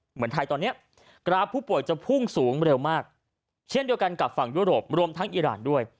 เหมือนไทยตอนนี้กราฟผู้ป่วยจะพุ่งสูงเร็วมากเช่นเดียวกันกับฝั่งยุโรปรวมทั้งอิราณด้วย